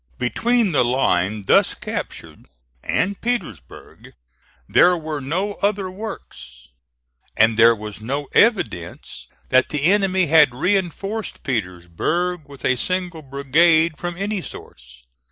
Between the line thus captured and Petersburg there were no other works, and there was no evidence that the enemy had reinforced Petersburg with a single brigade from any source.